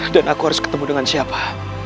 dan aku harus ketemu dengan siapa